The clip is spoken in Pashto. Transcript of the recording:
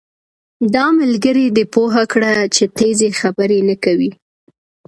دا ملګری دې پوهه کړه چې تېزي خبرې نه کوي